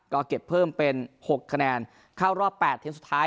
ก็เก็บเพิ่มเป็น๖คะแนนเข้ารอบ๘ทีมสุดท้าย